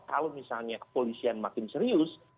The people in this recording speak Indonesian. kalau misalnya kepolisian makin serius